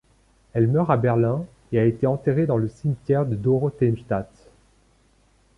Elle meurt à Berlin, et a été enterré dans le cimetière de Dorotheenstadt.